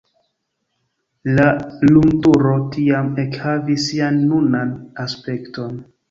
La lumturo tiam ekhavis sian nunan aspekton.